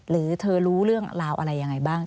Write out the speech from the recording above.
หรือเธอรู้เรื่องราวอะไรยังไงบ้าง